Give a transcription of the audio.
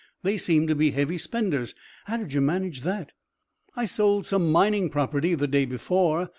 They seem to be heavy spenders. How did you manage that?" "I sold some mining property the day before.